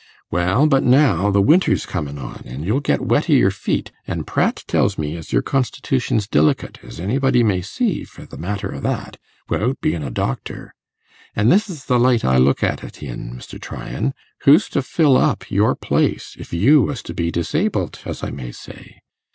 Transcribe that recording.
'Well, but now! the winter's comin' on, an' you'll get wet i' your feet, an' Pratt tells me as your constitution's dillicate, as anybody may see, for the matter o' that, wi'out bein' a doctor. An' this is the light I look at it in, Mr. Tryan: who's to fill up your place, if you was to be disabled, as I may say?